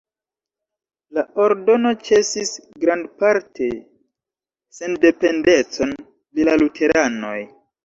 La ordono ĉesis grandparte sendependecon de la luteranoj.